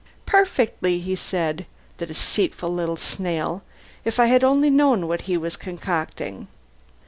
"Perfectly," he said. The deceitful little snail! If I had only known what he was concocting!